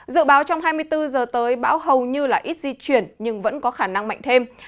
dự báo trong hai mươi bốn giờ tới bão hầu như là ít di chuyển nhưng vẫn có khả năng mạnh thêm